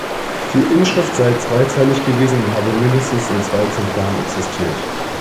Die Inschrift sei zweizeilig gewesen und habe mindestens in zwei Exemplaren existiert.